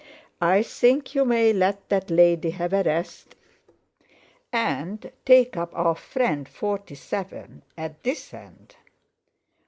I think you may let that lady have a rest, and take up our friend 47 at this end."